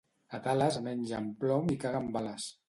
A Tales mengen plom i caguen bales.